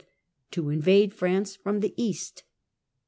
to invade France from the east.